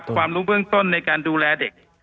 รู้เบื้องต้นในการดูแลเด็ก